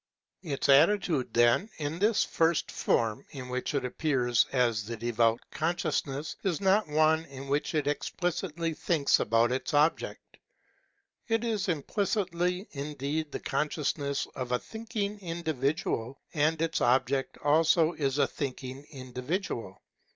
Its attitude then, in this first form, in which it appears as the Devout Consciousness, is not one in which it explicitly thinks about its object. It is implicitly indeed the consciousness of a thinking individual, and its object also is a thinking individual.